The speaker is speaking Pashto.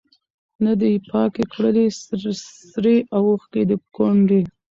نه دي پاکي کړلې سرې اوښکي د کونډي